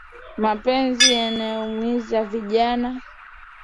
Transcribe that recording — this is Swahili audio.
Mapenzi yanaumiza vijana